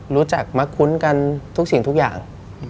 รู้จักมะคุ้นกันทุกสิ่งทุกอย่าง